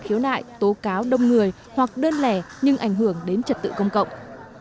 khiếu nại tố cáo đông người hoặc đơn lẻ nhưng ảnh hưởng đến trật tự công cộng